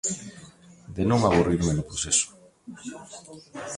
De non aburrirme no proceso.